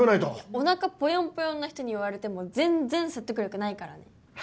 お腹ポヨンポヨンな人に言われても全然説得力ないからね。